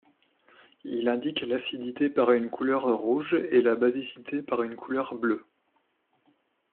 Il indique l'acidité par une couleur rouge et la basicité par une couleur bleue.